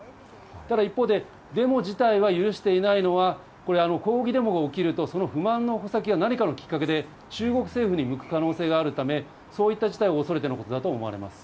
ただ一方で、デモ自体は許していないのは、これは抗議デモが起きると、その不満の矛先が何かのきっかけで中国政府に向く可能性があるため、そういった事態を恐れてのことだと思います。